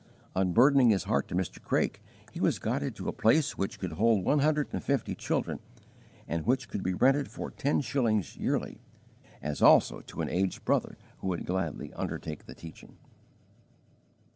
Unburdening his heart to Mr. Craik, he was guided to a place which could hold one hundred and fifty children and which could be rented for ten shillings yearly; as also to an aged brother who would gladly undertake the teaching.